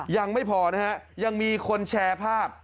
ยังไม่พอนะฮะยังมีคนแชร์ภาพ